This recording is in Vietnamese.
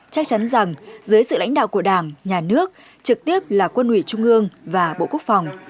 chắc chắn rằng dưới sự lãnh đạo của đảng nhà nước trực tiếp là quân ủy trung ương và bộ quốc phòng